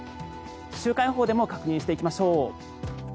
週間予報でも確認していきましょう。